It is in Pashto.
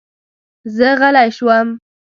زه غلی شوم.